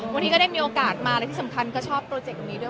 วันนี้ก็ได้มีโอกาสมาและที่สำคัญก็ชอบโปรเจกต์ตรงนี้ด้วย